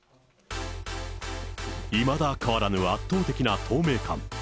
いまだ変わらぬ圧倒的な透明感。